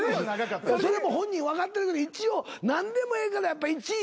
それも本人分かってるけど一応何でもええからやっぱ１位って。